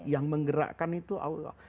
yang menggerakkan itu allah